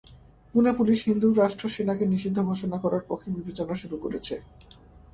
Pune police Hindu Rashtra Sena কে নিষিদ্ধ ঘোষণা করার পক্ষে বিবেচনা শুরু করেছে।